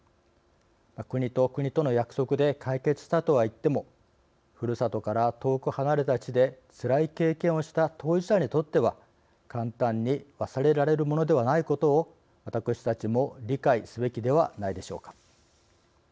国と国との約束で解決したとは言ってもふるさとから遠く離れた地でつらい経験をした当事者にとっては簡単に忘れられるものではないことを私たちも理解すべきではないでしょうか。